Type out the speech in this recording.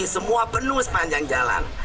semua penuh sepanjang jalan